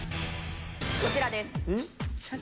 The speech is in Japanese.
こちらです。